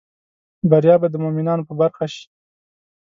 بریا به د مومینانو په برخه شي